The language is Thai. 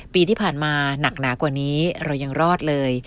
ปีที่ผ่านมาหนักหนากว่านี้เรายังรอดเลย